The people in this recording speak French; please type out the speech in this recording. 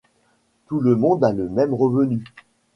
Tout le monde a le même revenu.